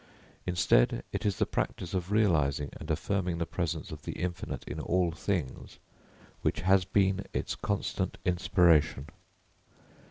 Instead, it is the practice of realising and affirming the presence of the infinite in all things which has been its constant inspiration.